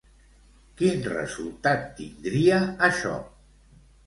Quin resultat tindria això?